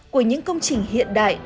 của những công trình hiện đại